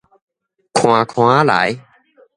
寬寬仔來